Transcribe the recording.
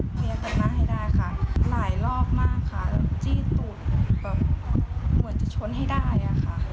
เคลียร์กันมาให้ได้ค่ะหลายรอบมากค่ะจี้ตูดแบบเหมือนจะชนให้ได้อะค่ะ